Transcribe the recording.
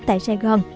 tại sài gòn